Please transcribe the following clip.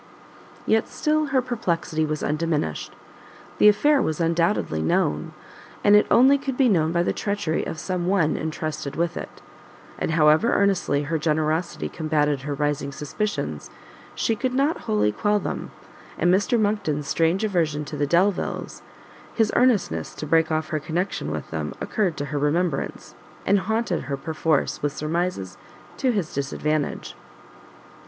Yet still her perplexity was undiminished; the affair was undoubtedly known, and it only could be known by the treachery of some one entrusted with it: and however earnestly her generosity combated her rising suspicions, she could not wholly quell them; and Mr Monckton's strange aversion to the Delviles, his earnestness to break off her connexion with them, occurred to her remembrance, and haunted her perforce with surmises to his disadvantage.